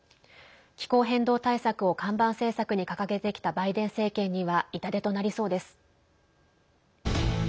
気候変動対策を看板政策に掲げてきたバイデン政権には痛手となりそうです。